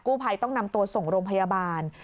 ภัยต้องนำตัวส่งโรงพยาบาล